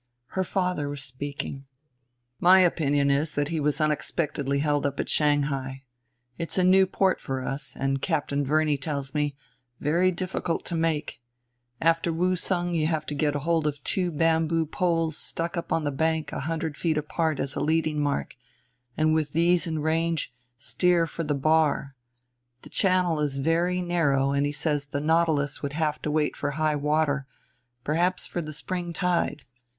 Her father was speaking: "My opinion is that he was unexpectedly held up at Shanghai. It's a new port for us, and, Captain Verney tells me, very difficult to make: after Woosung you have to get hold of two bamboo poles stuck up on the bank a hundred feet apart as a leading mark, and, with these in range, steer for the bar. The channel is very narrow, and he says the Nautilus would have to wait for high water, perhaps for the spring tide.